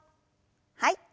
はい。